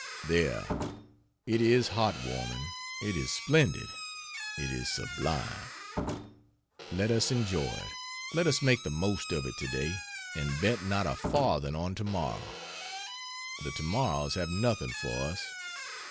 There it is heart warming, it is splendid, it is sublime; let us enjoy it, let us make the most of it today and bet not a farthing on tomorrow. The tomorrows have nothing for us.